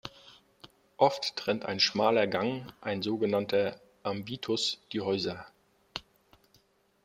Oft trennt ein schmaler Gang, ein so genannter "ambitus" die Häuser.